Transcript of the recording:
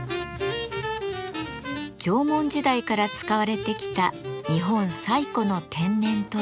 縄文時代から使われてきた日本最古の天然塗料漆。